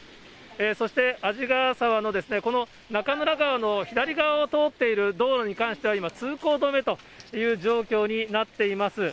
そして鯵ヶ沢のこの中村川の左側を通っている道路に関しては、今、通行止めという状況になっています。